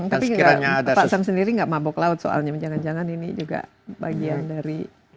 tapi pak sam sendiri enggak mabuk laut soalnya menjangan jangan ini juga bagian dari